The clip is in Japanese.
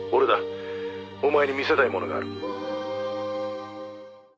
お前に見せたいものがある」